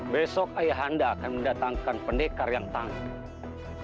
besok ayah anda akan mendatangkan pendekar yang tangkap